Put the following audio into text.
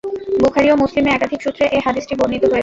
বুখারী ও মুসলিমে একাধিক সূত্রে এ হাদীসটি বর্ণিত হয়েছে।